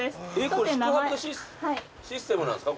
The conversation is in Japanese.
これ宿泊システムなんですか？